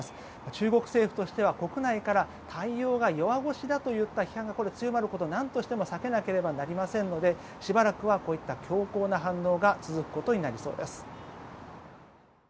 中国政府は国内から対応が弱腰だといった批判が強まることはなんとしても避けなければなりませんのでしばらくはこういった強硬な反応が続くことになりそうです。